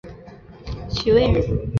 徐渭人。